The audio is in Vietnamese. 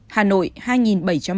hà nội hai bảy trăm bảy mươi tám